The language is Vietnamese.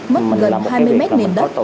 mất gần hai mươi mét nền đất